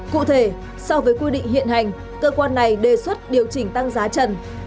cụ thể so với quy định hiện hành cơ quan này đề xuất điều chỉnh tăng giá trần